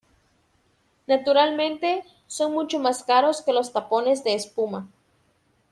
Naturalmente, son mucho más caros que los tapones de espuma.